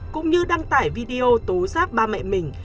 cũng như đăng tải video tố giác ba mẹ mình